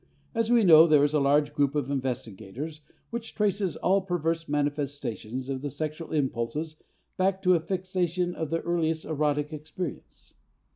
As we know, there is a large group of investigators which traces all perverse manifestations of the sexual impulses back to a fixation of the earliest erotic experience.